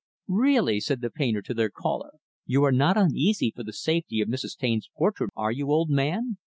"Really," said the painter to their caller, "you are not uneasy for the safety of Mrs. Taine's portrait, are you, old man?